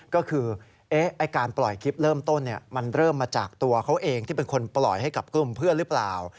ก็คือการปล่อยคลิปเริ่มต้นมันเริ่มมาจากตัวเขาเองที่เป็นคนปล่อยให้กับกลุ่มเพื่อนหรือเปล่า